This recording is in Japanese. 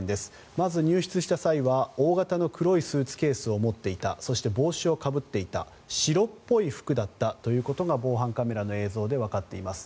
まず、入室した際は大型の黒いスーツケースを持っていたそして帽子をかぶっていた白っぽい服だったということが防犯カメラの映像でわかっています。